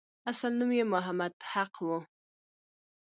اصل نوم یې محمد حق وو.